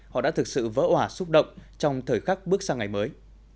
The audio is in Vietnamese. họ đã thực sự vỡ hỏa xúc động trong thời khắc bước sang ngày mới